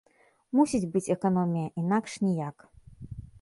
Мусіць быць эканомія, інакш ніяк.